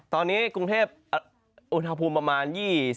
ตอนนี้กรุงเทพอุณหภูมิประมาณ๒๐